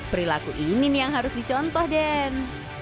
perilaku ini nih yang harus dicontoh den